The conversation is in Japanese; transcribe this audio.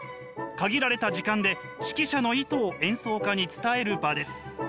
限られた時間で指揮者の意図を演奏家に伝える場です。